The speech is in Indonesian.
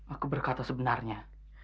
aku berkata sebenarnya